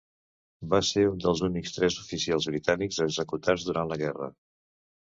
Va ser un dels únics tres oficials britànics executats durant la guerra.